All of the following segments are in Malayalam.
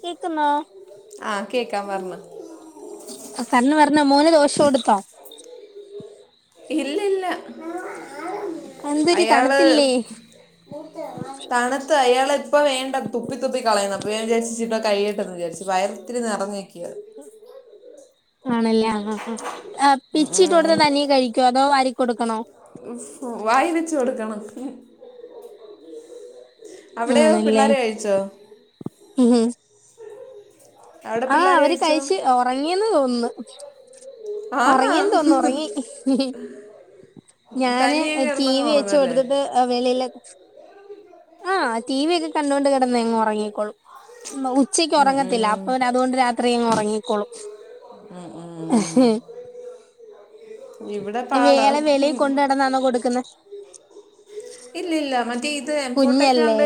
കേക്കിന്നോ ആ കേക്കാൻ പറഞ്ഞോ [unintelligible] പറഞ്ഞ മോന് ദോശ കൊടുത്തോ ഇല്ല ഇല്ല എന്തൊരു അയാള് തണുത്തില്ലേ തണ ത്ത് അയാള ഇപ്പ വേണ്ട തുപ്പിത്തുപ്പി കളയുന്നു അപ്പോ ഞാൻ വിചാരിച്ച ഇച്ചേ കൈയിട്ടെന്ന്ന്ന് വിചരിച്ച് വയർത്തി നിറഞ്ഞേക്കി ഇ ആണല്ലേ ആ ആ പിച്ചിട്ട് കൊടുത്ത തനീ കഴിക്കോ അതോ വാരി കൊടുക്കണോ വായി വെച്ചു കൊടുക്കണം അവിടെയോ ആണല്ലേ പിള്ളോര അയിച്ചോ ആ അവര് കഴിച്ചു ഒറങ്ങിയെന്ന് തോന്നന്ന് ഓ ആന്നാ ഒറങ്ങിയന്ന് തോന്നു ഉറങ്ങി ഞാന് തനിയെ ടി കിടന്നങ്ങ് വി വെച്ചു ഉറങ്ങുമല്ലേ കൊടുത്തിട്ട് വെളില് ആ ടി വി ഒക്കെ കണ്ടൊണ്ട് കിടന്നേങ്ങ് ഉറങ്ങിക്കോളും ഉച്ചക്ക് ഉം ഉറങ്ങത്തില്ല ഉം. പിന്നെ അതുകൊണ്ട് രാത്രി അങ്ങ് ഉറങ്ങിക്കോളും ഉ ഊം വേല വെളി ഉം. കൊണ്ട് നടന്നാണോ കൊടുക്കുന്നേ? ഇല്ലില്ല മറ്റേ ഇത് എൻ ഫോ കുഞ്ഞല്ലേ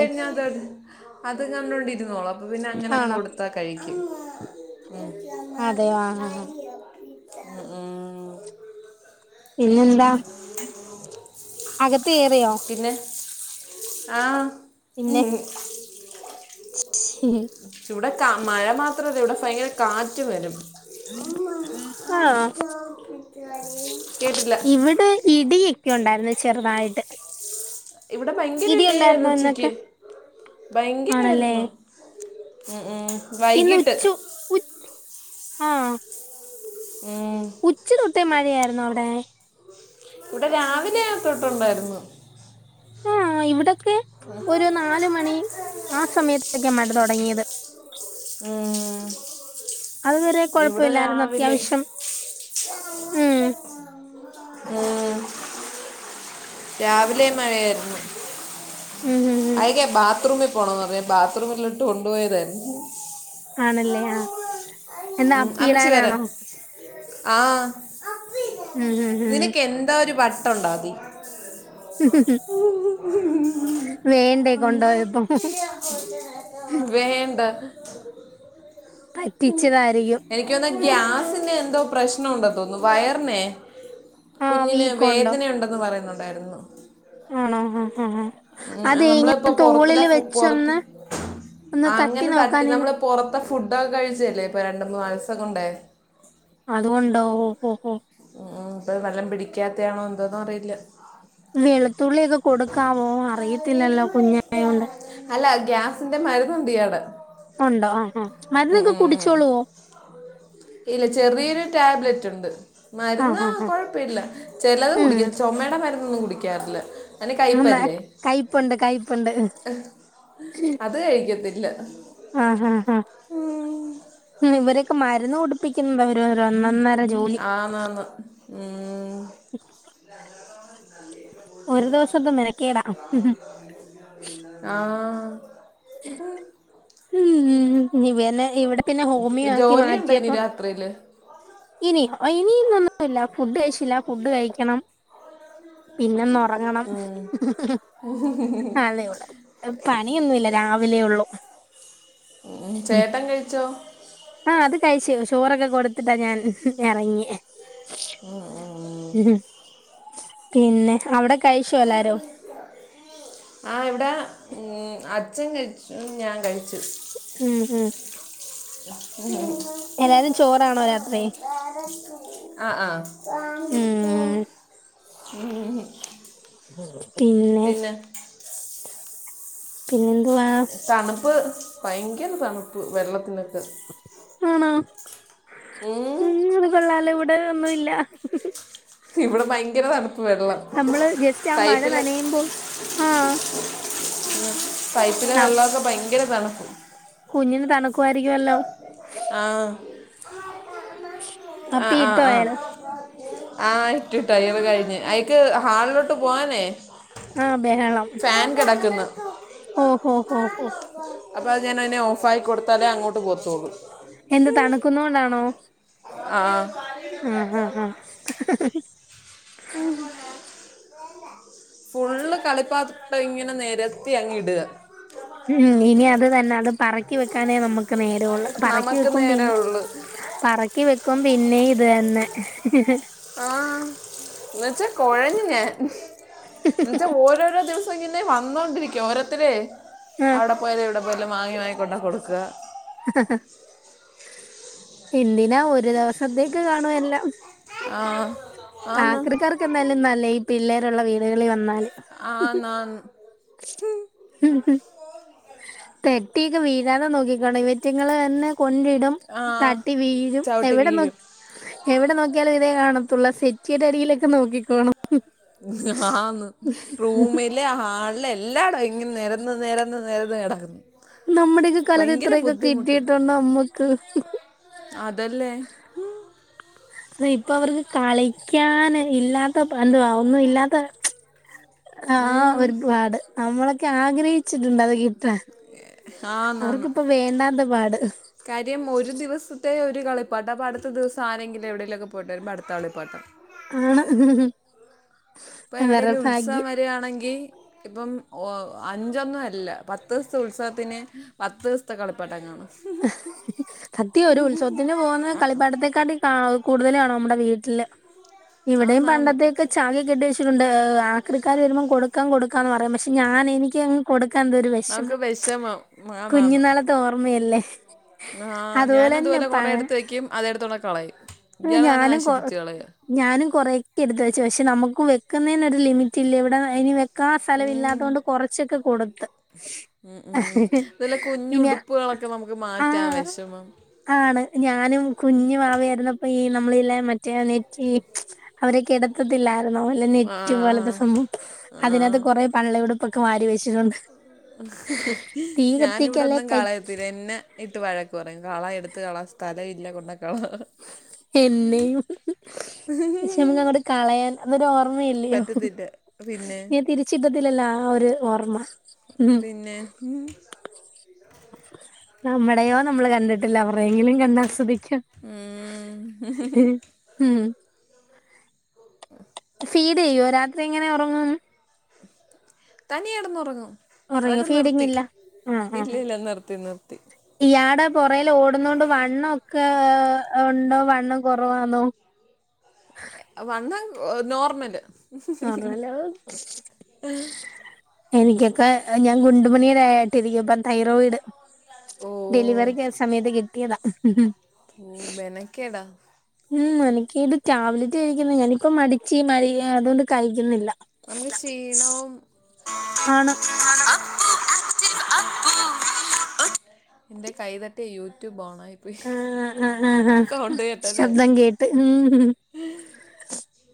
അത് കണ്ടോണ്ടിരുന്നോളും. അപ്പൊ പിന്നെ അങ്ങനെ അങ്ങ് ആണോ കൊടുത്താ കഴിക്കും. അതെയോ ആഹ് ആഹ് [inaudible] ഉം ഇനിയെന്താ അകത്ത് കേറിയോ പിന്നെ ആ മ് പിന്നെ [inaudible] ഇവിടെ കാ മഴ മാത്രല്ല ഇവിടെ ഫ യങ്കര കാറ്റും വരും. ആ കേട്ടില്ല ഇവിടെ ഇടി ക്കെ ഉണ്ടായിരുന്നു ചെറുതായിട്ട്. ഇവിടെ ഭയങ്കര ഇടി ഉണ്ടായിരുന്നോ ഇടിയായിരുന്നു ഇന്നൊക്കെ ഉച്ചക്ക് ആണല്ലേ ഭയങ്കരായിരുന്നു. ഉം ഉം. ഇന്ന് വൈകിട്ട് ഉച്ചു ഉച് ആ ഉം. ഉച്ച തൊട്ടേ മഴയായിരുന്നോ അവിഡ് [unintelligible] ഇവിടെ രാവിലെ തൊട്ടുണ്ടായിരുന്നു. ആഹ് [unintelligible] ഒരു നാല് മണി ആ സമയത്തക്കയാ മഴ തുടങ്ങിയത്. ഉം അത് ഇവിടെ രാവിലെ ഉം ഉം രാവിലെ മഴയായിരുന്നു. ഉം ഉം ഉം അയിക്ക ബാത്റൂമിൽ പോണോന്നു പറഞ്ഞു. ബാത്റൂമിലോ ട്ട് കൊണ്ടുപോയതാരുന്നു. ആണല്ലേ ആ എന്നാ ഉം, അമ്മച്ചി വരാൻ അപ്പീടാനാണോ ആ ഉം ഉം ഉം ഇതിനൊക്കെ എന്താ ഒരു ട്ടൊണ്ടാതി വേണ്ടേ കൊണ്ട്പോയപ്പോ വേണ്ട എനിക്ക് തോന്നുന്നു ഗ്യാസിന്റെ എന്തോ പ്രശ് നണ്ടെന്നു തോന്നുന്നു വയറിനെ ആഹ് കുഞ്ഞിന് വീക്കോണ്ടോ വേദനയുണ്ടെന്ന് പറയുന്നുണ്ട്. ഉണ്ടായിരുന്നു. ആണോ ആഹ് ആഹ് ആഹ് അതേ ഇങ്ങനെ നമ്മളിപ്പോ പുറത്തിലെ തോളില് ഫു- വെച്ചൊന്നു പുറത്ത് ഒന്ന് തട്ടി നോക്കാനെന്ന് പ്പോ ഫുഡ് ഒക്കെ കഴി ച്ചെയല്ലേ ഇപ്പ രണ്ട് മൂന്ന് [unintelligible] ഉണ്ടേ അതുകൊണ്ടോ ഓഹ് ഓഹ് ആ ഇപ്പം വല്ലോം പിടിക്കാത്തയാണോ എന്തോന്ന് അറിയില്ല. വെളുത്തുള്ളിയൊക്കെ കൊടുക്കാവോ അറിയത്തില്ലല്ലോ കുഞ്ഞായോണ്ട്. അല്ല ഗ്യാസിന്റെ മരുന്നുണ്ട് ഇയാടെ ഉണ്ടോ ആ ആ ഉം, മരുന്നൊക്കെ ഉം, ഉം. കുടിച്ചോളുവോ? ഇല്ല ചെറിയൊരു ടാബ്ലറ്റ് ഉണ്ട്. മരുന്ന് ആഹ് ആഹ് ആഹ് കൊഴപ്പമില്ല ചിലത് ഉം കുടിക്കത്തില്ല ചുമയുടെ മരു ന്നൊന്നും ഒന്നും കുടിക്കാറില്ല. അതിന് ആഹ്‌ കയ്പല്ലേ കയ്പ്പുണ്ട് കയ്പ്പുണ്ട് അത് കഴിക്കത്തില്ല ആഹ് ആഹ് ആഹ് ഇവരൊക്കെ മരു രുന്നു കുടിപ്പിക്കുന്നത് ഒരൊന്നന്നര ആന്നാന്ന്. ഒരു ദിവസത്ത മെനക്കേടാ. ഉം ഉം ഉം ഇവനെ ഇവിടെ പിന്നെ ഹോമിയോ ആക്കി ജോലിയുണ്ടോ ഇനി മാറ്റിയപ്പം രാത്രിയില് ഇനി ഇനീന്നൊന്നും ഇല്ല ഫുഡ് കഴിച്ചില്ല ഫുഡ് കഴിക്കണം. പിന്നൊന്നൊറങ്ങണം [unintelligible] പണിയൊന്നു ഇല്ല രാവിലെ ഒള്ളൂ ഉം, ഇം ചേട്ടൻ കഴിച്ചോ ആ അത് കഴിച്ച് ചോറൊക്കെ കൊടുത്തിട്ടാ ഞാൻ എറങ്ങിയേ ഉം ഉം ഉം. പിന്നെ അവിടെ കഴിച്ചോ എല്ലാരും ആ ഇവിടെ ഉം അ ച്ഛൻ കഴിച്ചു ഞാൻ കഴിച്ചു ഉം ഉം എല്ലാരും ചോറാണോ രാത്രി അ ആ ഉ ഉം പിന്നെ പിന്നെ വാ തണുപ്പ് ഭയങ്കര തണുപ്പ് വെള്ളത്തിനൊക്ക ആണോ ഉം അത് കൊള്ളാല ഇവിടെ ഒന്നുമില്ല ഇവിടെ ഭയങ്കര തണു നമ്മള് ജസ്റ്റ് ആ മഴ നനയുമ്പോൾ ആ പിെ പൈപ്പിലെ വെള്ളമൊക്കെ ഭയങ്കര വെളക്കും കുഞ്ഞിന് തണുക്കുവായിരിക്കും അല്ലോ [unintelligible] അപ്പി ആഹ് ആഹ് ഇട്ടോ ആഹ് അയാള് ആഹ് ഇട്ട് ഇട്ട് അയാള് കഴിഞ്ഞ് അയാക്ക് ഹാളിലോട്ട് പോവാനേ ആഹ് ബഹളം ഓഹോഹോഹൊ അപ്പം അത് ഞാൻ അയിനെ ഓഫായി കൊടുത്താലേ അങ്ങോട്ട് പോവത്തോളു എന്ത് തണുക്കുന്നോണ്ടാണോ ആഹ് ആഹ് ആഹ് ആഹ് [unintelligible] ഫുള്ള് കളിപ്പാ ട്ടോ ഇങ്ങനെ നെരത്തി അങ്ങ് ഇടുക ഉം ഇനി അത് തന്നെ അത് പറക്കി വെക്കാനേ നമ്മുക്ക് നേരേള്ളൂ പറക്കി നമുക്ക് വെക്കും നേരെ പിന്നെ ഉള്ളു പറക്കി വെക്കും പിന്നെയും ഇത് തന്നെ ആഹ് എന്ന വെച്ചാ കൊഴഞ്ഞ് ഞാൻ എന്ന് വെച്ചാ ഓരോരോ ദിവ ഇപ്പം ഇങ്ങനെ വന്നോണ്ടിരിക്കും ഓരോരുത്തരേ ആഹ് അവിടെ പോയത് ഇവിടെ വല്ലോം വാങ്ങി വാങ്ങി കൊണ്ട് കൊടുക്കാ എന്തിനാ ഒരു ദിവസത്തേക്ക് കാണും എല്ലാം ആ ആന്ന് ആകൃക്കാർക്ക് എന്തായാലും നല്ലെയ ഈ പിള്ളേർ ഉള്ള വീ കളിൽ വന്നാല് ആന്ന് ആന്ന് തെറ്റിക്കെ വീ വരാതെ നോക്കിക്കോണം ഇവറ്റിങ്ങള് തന്നെ കൊണ്ടിടും ആ തട്ടി വീഴും ചവിട്ടി എവിടെ നോക് വീഴും എവിടെ നോക്കിയാലും ഇതേ കാണു തുളസി [unintelligible] അടിയിലൊക്കെ നോക്കിക്കോണം ആന്ന് റൂമില് ഹാളില് എ എല്ലാടോം ഇങ്ങ് നെരന്ന് നെരന്ന് നെരന്ന് കിടക്ക്ന്ന് നമ്മ്ടെക്കെ കാലത്ത് ഇത്രക്കെ കിട്ടിയിട്ടുണ്ടോ മ്മക്ക് അതല്ലേ തെ ഇപ്പ അവർക്ക് കളിക്കാൻ ഇല്ലാത്ത [unintelligible] ഒന്നും ഇല്ലാത്ത ആ ഉം. ഒരുപാട് നമ്മള ആഗ്രഹിച്ചിട്ടുണ്ട് അത് കി ആ ആന്നാന്ന് അവർക്കിപ്പ വേണ്ടാത്ത പാട് [unintelligible] കളിപ്പട്ട അപ്പ അടുത്ത ദിവസം ആരെങ്കിലും എവിടെലൊക്കെ പോയിട്ട് വരുമ്പം അടുത്ത കളിപ്പാട്ടം ആണ് ഇപ്പൊ അവരുടെ എവിടെലും ഉത്സവം ഭാഗ്യം വരുവാണെങ്കി ഇപ്പം ഒ ഒ അഞ്ചൊന്നും അല്ല പത്ത് ദിവസത്തെ ഉത്സവത്തിന് പത്ത് ദിവസത്തെ കളിപ്പാട്ടം കാണും സത്യവ ഒരു ഉത്സവത്തിന് പോകുന്ന കളിപ്പാട്ടത്തെക്കാട്ടി കാ കൂടുതലാണോ? മ്മടെ വീട്ടില് ഇവിടെയും ആന്നാന്ന് പണ്ടത്തെയൊക്കെ ചാക്കി കെട്ടി വെച്ചിട്ടുണ്ട് ആക്രിക്കാർ വരുമ്പോം കൊടുക്കാം കൊടു [unintelligible] പറയും പക്ഷെ ഞാന് എനിക്കങ്ങ് കൊടു [unintelligible] എന്തൊരു നമുക്ക് വിഷമം വിഷമം കുഞ്ഞു നാളത്തെ ഓർമ്മയല്ലേ ആഹ് അതുപോലെ ഞാനതു പോലെ കൊറെ എടുത്ത് വെക്കും അതെടുത്തു കൊണ്ടോയി കളയും ഹ് ഇയാൾ തന്നെ ഞാനും കൊ നശിപ്പിച്ച് കളയുക ഞാനും കൊറെക്കെ എടുത്തു വെച്ചു പക്ഷെ നമ്മുക്ക് വെ ക്കുന്നതിനൊക്കെ ഒരു ലിമിറ്റ് ഇല്ലെ ഇവിടെ അയ്നു വെ [unintelligible] ഉം. സ്ഥലമില്ലാത്തോണ്ട് കുറച്ചൊക്കെ കൊടുത്ത് ഉം ഉം ഇതിലെ പിന്നെ കുഞ്ഞുടുപ്പുകളൊക്കെ നമുക്ക് ആ മാറ്റാൻ വിഷമം ആണ് ഞാനും കുഞ്ഞു വാവയായിരുന്ന ഈ നമ്മളില്ലേ മറ്റേ നെറ്റി അവരെ കേടാത്തത്തില്ല [unintelligible] നെറ്റ് പോലത്തെ ആഹ് സംഭവം അതിനകത്ത് ആഹ് കുറെ പള്ളയുടു ഇപ്പൊക്കെ വാരി വെച്ചിട്ടുണ്ട് ഹ് ഹ് തീ ഞാനിവിടെ കത്തിക്കല്ലേ ഒന്നും കൈ കളയത്തില്ല എന്നെ ഇട്ട് വഴക്ക് പറയും കള എടുത്ത് കള സ്ഥലം ഇല്ല കൊണ്ടയ് കള എന്നെയും പക്ഷെ നമുക്ക് അങ്ങോട്ട് കളയാൻ അതൊരു ഓർമ്മയല്ലയോ പറ്റത്തില്ല പിന്നെ ഇനിതിരിച്ചിട്ടത്തില്ലല്ലോ ആ ഒരു ഓർമ്മ ഉഹും പിന്നെ നമ്മടയോ നമ്മള് കണ്ടിട്ടില്ല അവരുയെങ്കിലും കണ്ടാസ്വദിക് ഉം ശ്ശോ ഹ് മ് ഫീട് ചെയ്യോ രാത്രി എങ്ങനെ ഒറങ്ങും തനിയെ കിടന്നുറങ്ങും ഉറങ്ങിയോ അതൊക്കെ നിർത്തി ഫീടിങ്ങില്ലഅ അ ഇല്ല അ ഇല്ല നിർത്തി നിർത്തി യാടെ പൊറേൽ ഓടുന്നോണ്ട് വണ്ണംഒക്കെ ഉണ്ടോ വണ്ണം കുറവാന്നോ വണ്ണം ഒഹ് നോർമല് [unintelligible] എനിക്കെക്കെ അ ഞാൻ ഗുണ്ടുമണീടായിട്ടിരിക്കുമ്പൊ തൈറോയിഡ് ഓ ഡെലിവറിക്ക് സമയത്ത് കിട്ടിയതാ ഓഹ് മെനക്കെടാ ഉംമ് എനിക്കിത് ടാബ്ലറ്റ് കഴിക്കുന്ന ഞാനിപ്പോ മടിച്ചി [unintelligible] അതുകൊണ്ട് കഴിക്കുന്നില്ല നമ്ക്ക് ക്ഷീണവും ആണ് എന്റെ കൈതട്ടി യൂട്യൂബ് ഓൺ ആഹ് ആഹ് ആഹ് അഹ് കേട്ടല്ലേ ശബ്ദം കേട്ട്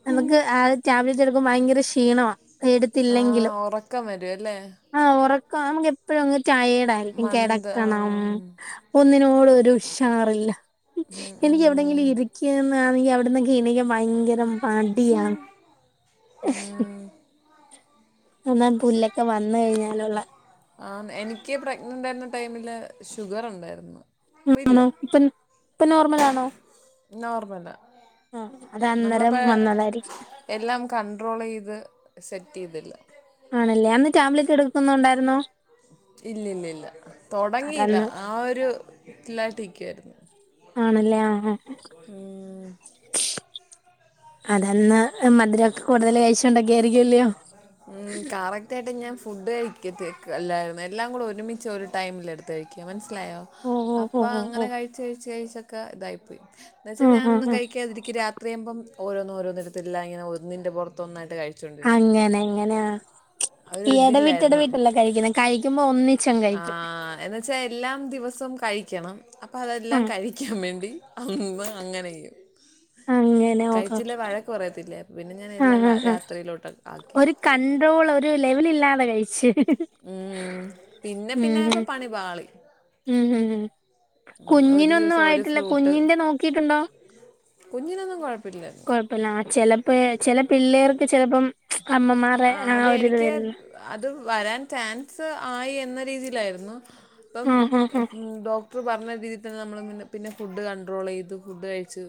നമുക്ക് ആ ടാബ്ലറ്റ് എട് ക്കുമ്പം ഭയങ്കര ക്ഷീണമാ ആ ഉറക്കം വരു അല്ലേ [unintelligible] എപ്പഴും അ ടയേഡായിരിക്കും മന്ത് കെടക്കണം ഒന്നിനും [unintelligible] ഉഷാറില്ല എനിക്ക് എവിടെങ്കിലും ഇരിക്ക്യ ണെങ്കി അവിടന്നൊക്കെ എണീക്കാൻ ഭയങ്കര മടിയാ [unintelligible] ആ എന്നാല് പുല്ലൊക്കെ വന്ന് കഴിഞ്ഞാലുള്ള ആ എനിക്ക് പ്രഗ്നൻ്റായിരുന്ന ടൈമില് ഷുഗർ ഉണ്ടായിരുന്നു ഇപ്പൊ ഇല്ല ആണോ ഇപ്പൊ ഇപ്പം നോർമൽ ആണോ നോർമലാ ആഹ് അത് അന്നേരം നമ്മളപ്പേ വന്നതായിരിക്കും എല്ലാം കണ്ട്രോള് ചെയ്ത് സെറ്റ് [unintelligible] ആണല്ലേ അന്ന് ടാബ്‌ലെറ്റ് എടുക്കുന്നുണ്ടായിരുന്നു ഇല്ലില്ലില്ല തൊടങ്ങിയില്ല അതന്ന് ആ ഒരു ഇല്ലാട്ടിരിക്കാരുന്നു ആണല്ലേ ആഹ് ആഹ് അതന്ന് മധുരൊക്കെ കൂടുതല് കഴിച്ചോണ്ടായിരിക്കല്ലയോ [inaudible] കറക്റ്റ് ആയിട്ട് ഞാൻ ഫുഡ് കഴിക്കത്തേക്ക് അല്ലായിരുന്നു എല്ലാം കൂടെ ഒരുമിച്ച് ഒരു ടൈമില് എടുത്ത് കഴിക്കും മനസ് ക്ലയ്യോ ഓ ഓ ഓ അപ്പൊ ഓ ഓ അങ്ങനെ കഴിച്ച് കഴിച്ച് കഴിച്ച് ക്ക ഇതായിപ്പോയി ന്ന ച്ചാ ആഹ് ഞാനൊന്നും ആഹ് ആഹ് കഴിക്കാതിരിക്ക് രാത്രിയാകുമ്പം ഓരോന്ന്‌ ഓരോന്ന് എടുത്തിട്ടില്ല ഇങ്ങനെ ഒന്നിന്റെ പുറത്ത് തോന്നായി അങ്ങനെ എങ്ങനെയ ഒരു ഇയടവിട്ട് [unintelligible] ഇടവിട്ട് കഴിക്കുന്നത് കഴിക്കുമ്പോ ഒന്നി ആഹ് എന്നുവച്ചാ എല്ലാം ദിവസം കഴിക്കണം അപ്പം അതെല്ലാം ആഹ് കഴിക്കാൻ വേണ്ടി അമ്മ് അങ്ങനെ ചെയ്യും അങ്ങനെ ഓ കഴിച്ചില്ല [unintelligible] വഴക്ക് പറയത്തില്ലേ പിന്നെ ഞാൻ അ ആ എല്ലാം ലാ- രാത്രിയിലോട്ട് ആക്കി ഒരു കണ്ട്രോൾ ഒരു ലെവൽഇല്ലാത് ഭെയേച്ച് ഉം. പിന്നെ ഹ് പിന്നെ ഹ് ഇപ്പം പണി പാളി ഹ് ഹ് ഹ് ഉം ഉം ഉം ഉം ഉം ഒരു കുഞ്ഞിനൊന്നും ദിവസം ഒരു ആയിട്ടില്ല ഫ്രൂട്ട് കുഞ്ഞിന്റെ നോക്കീട്ടുണ്ടോ കുഞ്ഞിനൊന്നും കുഴപ്പ് കുഴപ്പില്ല ചെലപ് ഇപേ ചെല പിള്ളേർക്ക് ചെലപ്പം അമ്മമാരെ ആ അതെ ഒരിത് എനിക്ക് വരുന്നു അത് വരാൻ ചാൻ- സ്ആയി എന്ന രീതിയിലായിരുന്നു ഇപ്പം ആഹ് ആഹ് ആഹ് ഉം ഡോക്ടർ പറഞ്ഞ രീതി [unintelligible] നമ്മള് പിന്നെ ഫുഡ് കണ്ട്രോൾ ചെയ്ത് ഫുഡ്ഡ് കഴിച്ചു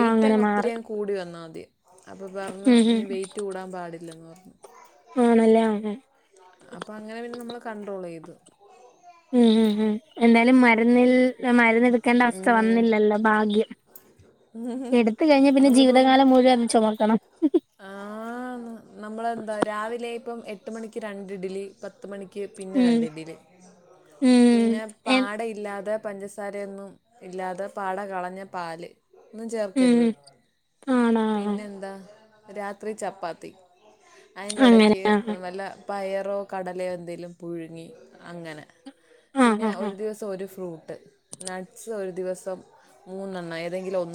ആ അങ്ങനെ അങ്ങ് മാറി ഒത്തിരിഅങ്ങ് കൂടി വന്നാദ്യം അപ്പം പറഞ്ഞു ഉം ഇനി ഉം വെയിറ്റ് കൂടാൻ [unintelligible] ആണല്ലേ ആണെ അപ്പൊ അങ്ങനെ പിന്നെ നമ്മള് കണ്ട്രോൾ ചെയ്തു ഉം ഉം ഉം എന്തായാലും മരുന്നിൽ- മരുന്ന് എടുക്കേണ്ട അവസ്ഥ വന്നില്ലല്ലോ ഭാഗ്യം ഉം. എടുത്ത് കഴിഞ്ഞാൽ പിന്നെ നമ്മളിപ്പം ജീവിതകാലം മുഴുവൻ അത് ചോമക്കണം ആ നമ്മള് എന്താ രാവിലെ ഇപ്പം എട്ട് മണിക്ക് രണ്ട് ഇഡലി പത്ത് മണിക്ക്- പിന്നെ ഉം രണ്ട് ഇഡലി ഉം പിന്നെ എ പാടയില്ലാതെ- പഞ്ചസാരയൊന്നും ഇല്ലാതെ പാട കളഞ്ഞ പാല് ന്നും ചേർക്കര്ത് ഉം ആണോ പിന്നെ എന്താ രാത്രി ചപ്പാത്തി അതിന്റെ അങ്ങനെ ഇടയ്ക്ക് ആഹ് വല്ല- പയറോ, കടലയോ, എന്തേലും പുഴുങ്ങി അങ്ങനെ ആഹ് പിന്നെ ആഹ് ഒരു ദിവസം ഒര് ഫ്രൂ ട്ട് നട്സ് ഒരു ദിവസം മൂന്നെണ്ണം ഏതെങ്കിലും